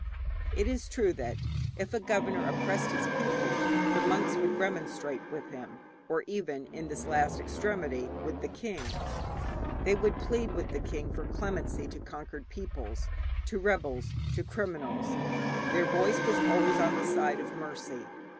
It is true that, if a governor oppressed his people, the monks would remonstrate with him, or even, in the last extremity, with the king; they would plead with the king for clemency to conquered peoples, to rebels, to criminals; their voice was always on the side of mercy.